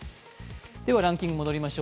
ランキングに戻りましょう。